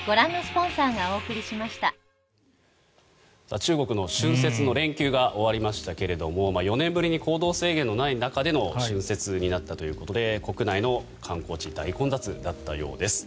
中国の春節の連休が終わりましたけれども４年ぶりに行動制限のない中での春節になったということで国内の観光地大混雑だったようです。